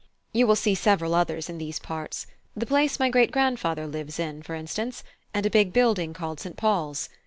You will see several others in these parts; the place my great grandfather lives in, for instance, and a big building called St. Paul's.